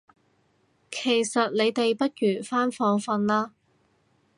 其實你哋不如返房訓啦